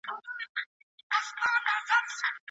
منځګړي د خاوند او ميرمني تر منځ د تفريق حق نلري.